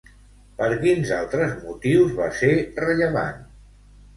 Per quins altres motius va ser rellevant?